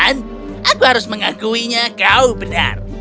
pangeran mila aku harus mengakuinya kau benar